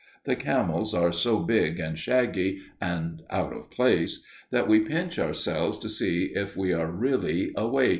The camels are so big and shaggy and out of place that we pinch ourselves to see if we are really awake.